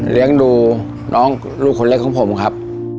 เลี้ยงดูน้องลูกคนเล็กของผมครับ